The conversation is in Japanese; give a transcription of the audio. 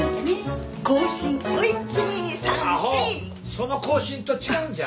その行進と違うんじゃ！